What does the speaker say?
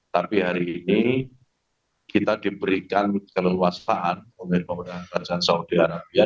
tapi hari ini kita diberikan keleluasaan oleh pemerintah kerajaan saudi arabia